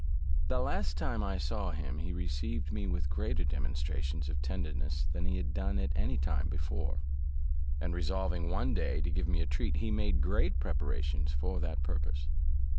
The last time I saw him, he received me with greater demonstrations of tenderness than he had done at any time before; and resolving one day to give me a treat, he made great preparations for that purpose.